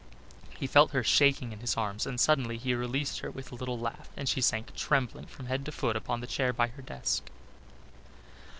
He felt her shaking in his arms, and suddenly he released her with a little laugh, and she sank trembling from head to foot upon the chair by her desk.